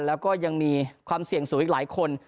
แล้วก็ยังมีความเสี่ยงสูงอีกหลายคน